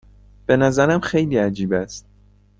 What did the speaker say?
به نظرم خیلی عجیب است.